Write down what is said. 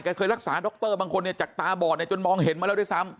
เคยรักษาดรบางคนเนี่ยจากตาบอดเนี่ยจนมองเห็นมาแล้วด้วยซ้ำ